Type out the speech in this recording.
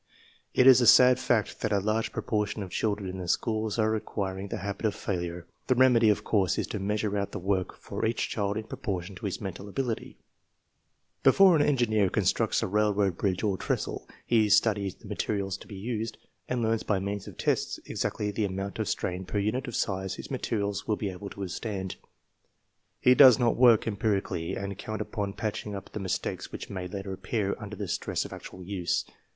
It is a sad fact tliat a large proportion of children in the schools are acquiring the habit of failure. The remedy, of course, & to measure out the work for each child in proportion to his mental ability* Before an engineer constructs a railroad bridge or trestle. USES OF INTELLIGENCE TESTS 5 he studies the materials to be used, and learns by means of tests exactly the amount of strain per unit of size his ma terials will be able to withstand. He does not work empiri cally, and count upon patching up the mistakes which may later appear under the stress of actual use.